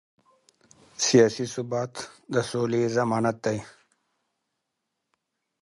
سیاسي ثبات د سولې ضمانت دی